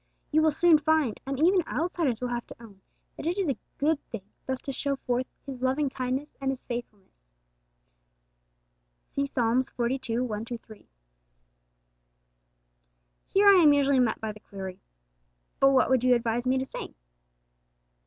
You will soon find, and even outsiders will have to own, that it is a good thing thus to show forth His loving kindness and His faithfulness (see Ps. xcii. 1 3). Here I am usually met by the query, 'But what would you advise me to sing?'